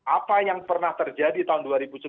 apa yang pernah terjadi tahun dua ribu sembilan belas